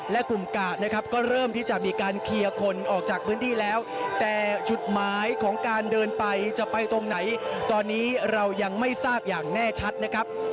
และกลุ่มกาดนะครับก็เริ่มที่จะมีการเคลียร์คนออกจากพื้นที่แล้วแต่จุดหมายของการเดินไปจะไปตรงไหนตอนนี้เรายังไม่ทราบอย่างแน่ชัดนะครับ